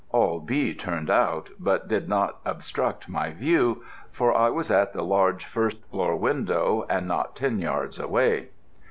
All B turned out, but did not obstruct my view, for I was at the large first floor window and not ten yards away.